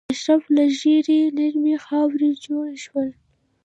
اشراف له ژیړې نرمې خاورې جوړ شول.